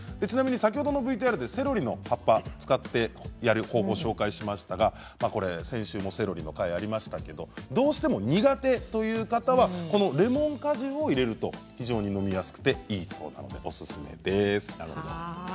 ちなみに先ほどのＶＴＲでセロリの葉っぱを使ってやる方法を紹介しましたが先週もセロリの回がありましたけど、どうしても苦手という方はレモン果汁を入れると非常に飲みやすくていいそうなのでおすすめです。